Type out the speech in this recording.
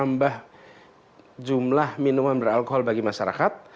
menambah jumlah minuman beralkohol bagi masyarakat